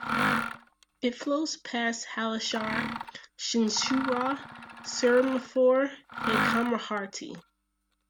It flows past Halisahar, Chinsurah, Serampore, and Kamarhati.